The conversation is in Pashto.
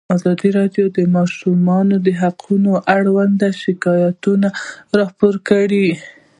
ازادي راډیو د د ماشومانو حقونه اړوند شکایتونه راپور کړي.